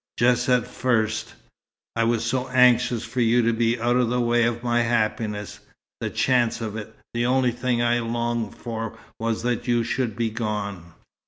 Just at first, I was so anxious for you to be out of the way of my happiness the chance of it that the only thing I longed for was that you should be gone."